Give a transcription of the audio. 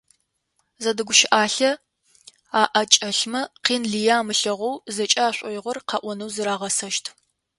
Зэдэгущыӏалъэ аӏэкӏэлъмэ, къин лые амылъэгъоу зэкӏэ ашӏоигъор къаӏонэу зырагъэсэщт.